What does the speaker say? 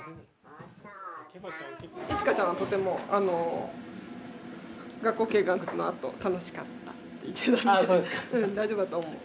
いちかちゃんはとても学校見学のあと「楽しかった」って言ってたのでうん大丈夫だと思う。